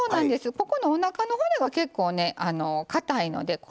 ここのおなかの骨が結構かたいので。